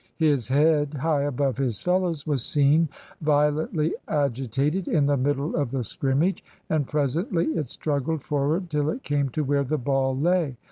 His head, high above his fellows, was seen violently agitated in the middle of the scrimmage, and presently it struggled forward till it came to where the ball lay.